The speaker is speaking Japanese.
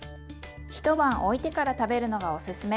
一晩おいてから食べるのがおすすめ。